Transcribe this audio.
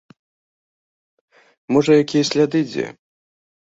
Можа якія сляды дзе?